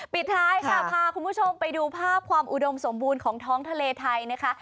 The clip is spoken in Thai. ปิดท้ายค่ะพาคุณผู้ชมไปดูภาพความอุดมสมบูรณ์ของท้องทะเลไทยนะคะ